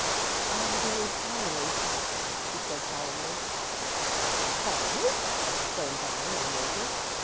"I am being followed," she said solemnly. "Followed!" exclaimed Bonnie, in amazement.